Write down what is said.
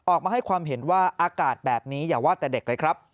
ออกมาให้ความเห็นว่าอากาศแบบนี้อย่าว่าแต่เด็กเลยครับ